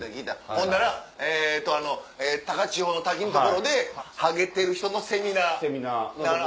ほんなら高千穂の滝の所でハゲてる人のセミナーあ